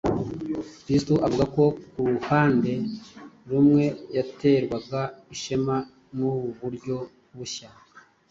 Kizito avuga ko ku ruhande rumwe yaterwaga ishema n'ubu buryo bushya